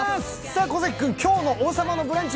小関君、今日の「王様のブランチ」